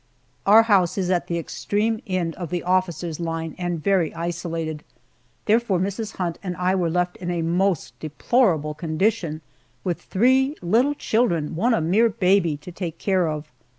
Our house is at the extreme end of the officers' line and very isolated, therefore Mrs. Hunt and I were left in a most deplorable condition, with three little children one a mere baby to take care of.